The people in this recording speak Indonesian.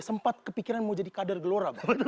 sempat kepikiran mau jadi kader gelora